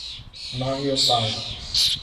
Mário Palma